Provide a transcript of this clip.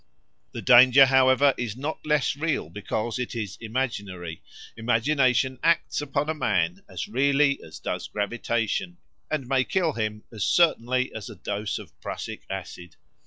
The danger, however, is not less real because it is imaginary; imagination acts upon man as really as does gravitation, and may kill him as certainly as a dose of prussic acid.